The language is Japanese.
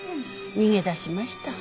逃げ出しました。